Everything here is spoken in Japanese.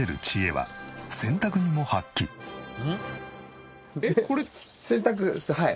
はい。